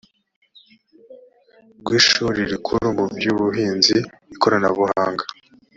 rw ishuri rikuru mu by ubuhinzi ikoranabuhanga